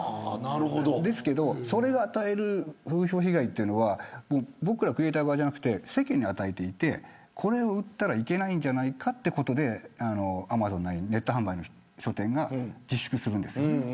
ですけど、それが与える風評被害は僕らクリエイター側じゃなくて世間に与えていてこれを売ったらいけないんじゃないかということでアマゾンなりネット販売の書店が自粛するんです。